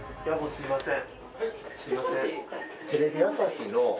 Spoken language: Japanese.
すみません。